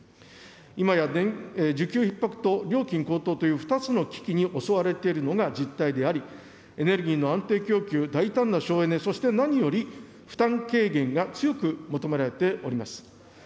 今や需給ひっ迫と料金高騰という２つの危機に襲われているのが実態であり、エネルギーの安定供給、大胆な省エネ、そして何より負担軽減が強く求められております。